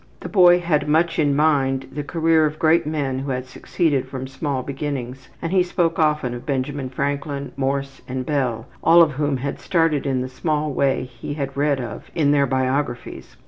The boy had much in mind the career of great men who had succeeded from small beginnings, and he spoke often of Benjamin Franklin, Morse, and Bell, all of whom had started in the small way he had read of in their biographies.